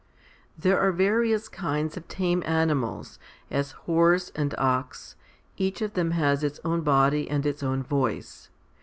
There are various kinds of tame animals, as horse and ox. Each of them has its own body and its own voice.